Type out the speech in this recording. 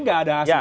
tidak ada hasilnya